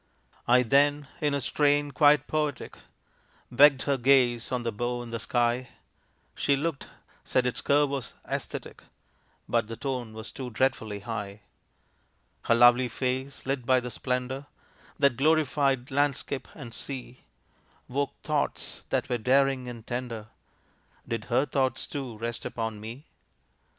I then, in a strain quite poetic, Begged her gaze on the bow in the sky, She looked said its curve was "æsthetic." But the "tone was too dreadfully high." Her lovely face, lit by the splendor That glorified landscape and sea, Woke thoughts that were daring and tender: Did her thoughts, too, rest upon me?